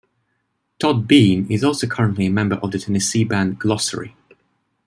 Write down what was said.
Todd Beene is also currently a member of the Tennessee band Glossary.